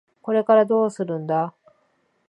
これからどうするんだ？